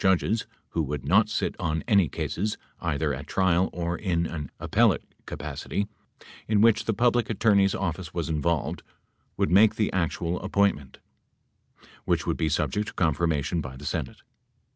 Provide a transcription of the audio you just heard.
100 any cases, either at trial or in an appellate capacity, in which the Public Attorney's office was involved — would make the actual appointment, which would be subject to confirmation by the Senate.